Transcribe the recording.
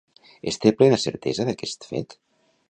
Es té plena certesa d'aquest fet?